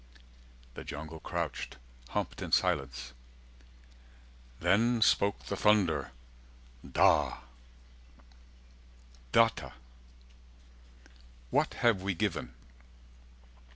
The jungle crouched, humped in silence. Then spoke the thunder DA 400 Datta: what have we given?